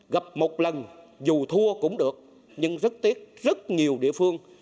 gặp một lần dù thua cũng được nhưng rất tiếc rất nhiều địa phương